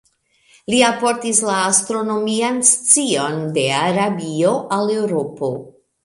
Li alportis la astronomian scion de Arabio al Eŭropo.